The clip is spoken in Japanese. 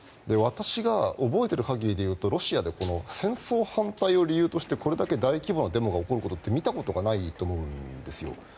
私が覚えている限りでいうとロシアで戦争反対を理由としてこれだけ大規模なデモが起こるのって見たことがないと思うんですよ。